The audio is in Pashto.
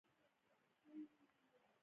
که قانون ومني او کار وکړي.